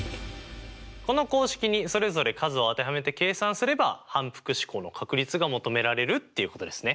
この公式にそれぞれ数を当てはめて計算すれば反復試行の確率が求められるっていうことですね。